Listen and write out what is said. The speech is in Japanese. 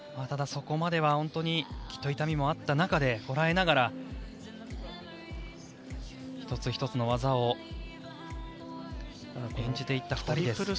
ただ、そこまでは本当にきっと痛みもあった中でこらえながら１つ１つの技を演じていった２人です。